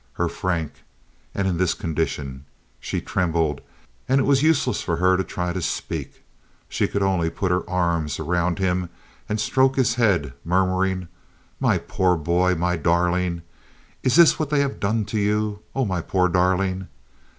Her Frank! And in this condition. She trembled and it was useless for her to try to speak. She could only put her arms around him and stroke his head, murmuring: "My poor boy—my darling. Is this what they have done to you? Oh, my poor darling."